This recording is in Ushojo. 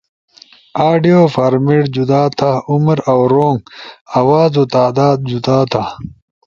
آڈیو فارمیٹ، جدا تھا(عمر او رونگ)، آوازو تعداد جدا تھا